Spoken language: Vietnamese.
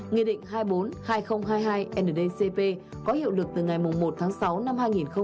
nghị định hai trăm bốn mươi hai nghìn hai mươi hai ndcp có hiệu lực từ ngày một tháng sáu năm hai nghìn hai mươi hai